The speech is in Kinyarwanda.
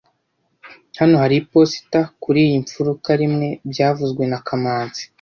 Hano hari iposita kuriyi mfuruka rimwe byavuzwe na kamanzi